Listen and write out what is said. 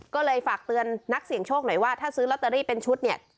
ก็เลยฝากเตือนนักเสี่ยงโชคหน่อยว่าถ้าซื้อลอตเตอรี่เป็นชุดเนี่ย